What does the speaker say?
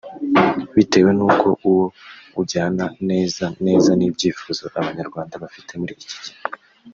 bitewe n’uko uwo ujyana neza neza n’ibyifuzo abanyarwanda bafite muri iki gihe